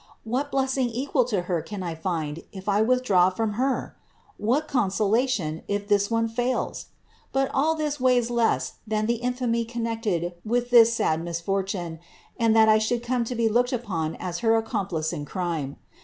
What blessing equal to Her can I find if I withdraw from Her? What consolation, if this one fails? But all this weighs less than the infamy connected with this sad misfortune, and that I should come to be looked upon as her accom plice in crime.